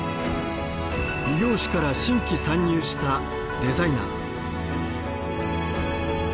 異業種から新規参入したデザイナー。